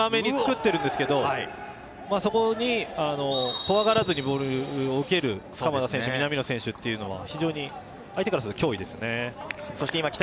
かなり狭目に作っているんですが、そこに怖がらずにボールを受ける鎌田選手、南野選手というのは非常に相手からすると脅威ですよね。